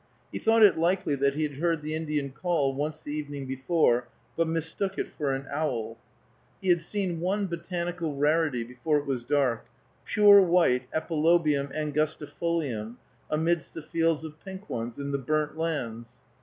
He thought it likely that he had heard the Indian call once the evening before, but mistook it for an owl. He had seen one botanical rarity before it was dark, pure white Epilobium angustifolium amidst the fields of pink ones, in the burnt lands.